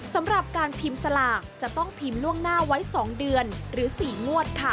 สำหรับการพิมพ์สลากจะต้องพิมพ์ล่วงหน้าไว้๒เดือนหรือ๔งวดค่ะ